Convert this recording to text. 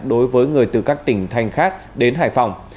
đối với người từ các tỉnh thành khác đến hải phòng